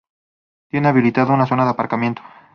Tiene habilitada una zona de aparcamiento.